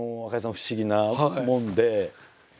不思議なもんで。